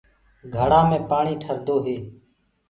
گھڙآ مي پآڻيٚ ٺردو هي